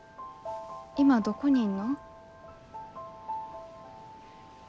今どこにいんの？